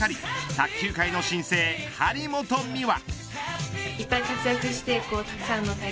卓球界の新星、張本美和。